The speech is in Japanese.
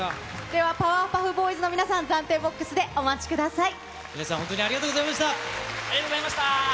では、パワーパフボーイズの皆さん、暫定ボックスでお待ちください。